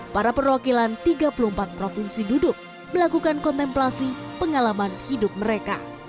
para perwakilan tiga puluh empat provinsi duduk melakukan kontemplasi pengalaman hidup mereka